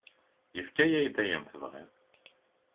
Yefka-ak-d ayen tebɣiḍ.